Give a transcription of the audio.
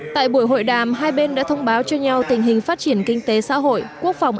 tại buổi hội đàm hai bên đã thông báo cho nhau tình hình phát triển kinh tế xã hội quốc phòng